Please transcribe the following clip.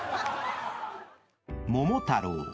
［『桃太郎』］